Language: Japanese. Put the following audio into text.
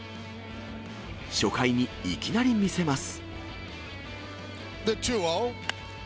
初回にいきなり見せます。